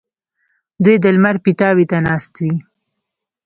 دوی د لمر پیتاوي ته ناست وي.